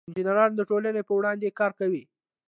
انجینران د ټولنې په وړاندې کار کوي.